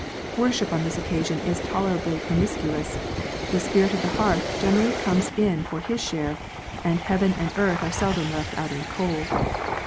Worship on this occasion is tolerably pro miscuous ; the Spirit of the Hearth generally comes in for his share, and Heaven and Earth are seldom left out in the cold.